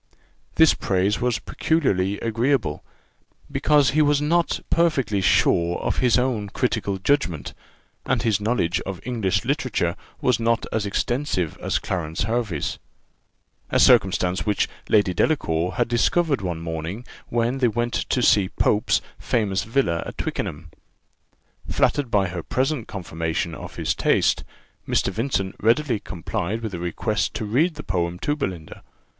This praise was peculiarly agreeable, because he was not perfectly sure of his own critical judgment, and his knowledge of English literature was not as extensive as Clarence Hervey's; a circumstance which Lady Delacour had discovered one morning, when they went to see Pope's famous villa at Twickenham. Flattered by her present confirmation of his taste, Mr. Vincent readily complied with a request to read the poem to Belinda.